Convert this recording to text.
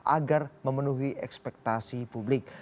agar memenuhi ekspektasi publik